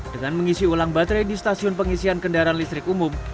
dengan mengisi ulang baterai di stasiun pengisian kendaraan listrik umum